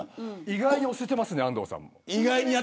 意外に押せてますね安藤さんも。